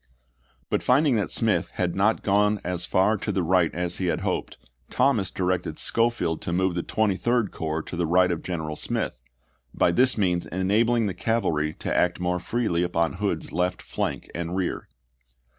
But finding that Smith had not gone as far to the right as he had hoped, Thomas directed Schofield to move the Twenty third Corps to the right of General Smith, by this means enabling the cavalry to act more freely upon Hood's left flank and rear.